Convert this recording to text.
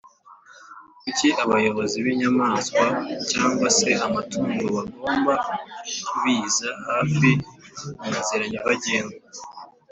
kuki abayobozi b’inyamaswa cg se amatungo bagomba kubiza hafi munzira nyabagendwa